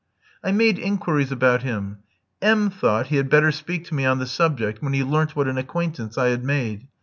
I made inquiries about him. M thought he had better speak to me on the subject, when he learnt what an acquaintance I had made.